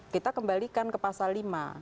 kita kembalikan ke pasal lima